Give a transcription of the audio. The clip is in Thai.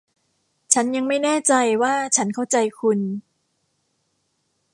ฉันยังไม่แน่ใจว่าฉันเข้าใจคุณ